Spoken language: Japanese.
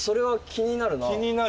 気になる。